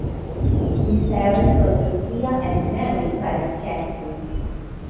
His parents were Josiah and Mary Price Jackson.